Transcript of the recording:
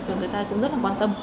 và người ta cũng rất là quan tâm